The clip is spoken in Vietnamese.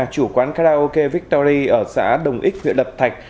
chủ quán karaoke victory ở xã đồng ích huyện lập thạch